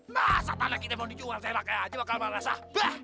masa tanah kita mau dijual serak aja wakal madrasah